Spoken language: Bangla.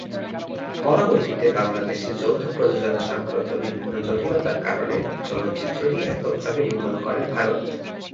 পরবর্তীতে বাংলাদেশে যৌথ প্রযোজনা সংক্রান্ত বিভিন্ন জটিলতার কারণে চলচ্চিত্রটি এককভাবে নির্মাণ করে ভারত।